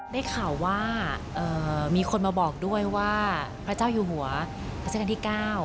ได้ข่าวว่ามีคนมาบอกด้วยว่าพระเจ้าอยู่หัวรัชกาลที่๙